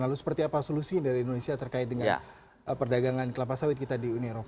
lalu seperti apa solusinya dari indonesia terkait dengan perdagangan kelapa sawit kita di uni eropa